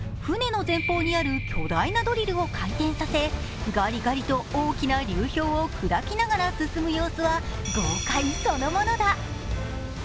船の前方にある巨大なドリルを回転させガリガリと大きな流氷を砕きながら進む様子は豪快そのものだ。